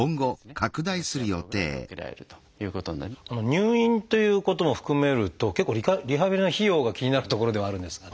入院ということも含めると結構リハビリの費用が気になるところではあるんですが。